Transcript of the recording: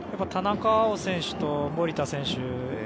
田中碧選手と守田選手